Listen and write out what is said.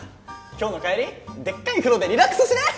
今日の帰りでっかい風呂でリラックスしない？